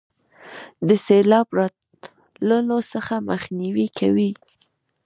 د سیلاب راتللو څخه مخنیوي کوي.